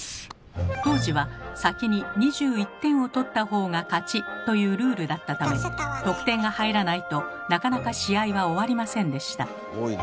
当時は先に２１点を取った方が勝ちというルールだったため得点が入らないとなかなか試合は終わりませんでした。